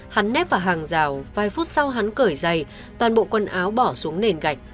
hắn nếp vào hàng rào vài phút sau hắn cởi giày toàn bộ quần áo bỏ xuống nền gạch